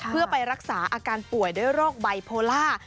เพื่อไปรักษาอาการป่วยด้วยโรคไบโพล่า